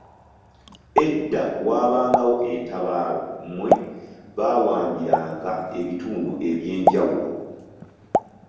Edda waabangawo entabaalo mwe baawambiranga ebitundu eby'enjawulo.